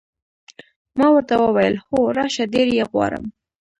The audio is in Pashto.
ما ورته وویل: هو، راشه، ډېر یې غواړم.